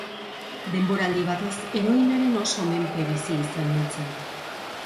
Denboraldi batez heroinaren oso menpe bizi izan nintzen.